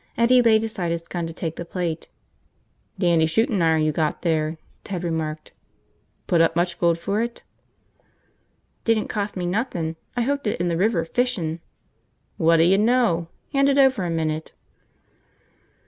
Eddie laid aside his gun to take the plate. "Dandy shootin' iron you got there," Ted remarked. "Put up much gold for it?" "Didn't cost me nothin'. I hooked it in the river, fishin'." "Whadda ya know! Hand it over a minute."